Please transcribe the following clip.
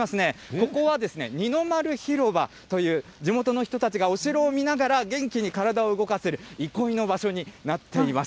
ここはですね、にのまる広場という、地元の人たちがお城を見ながら元気に体を動かせる憩いの場所になっています。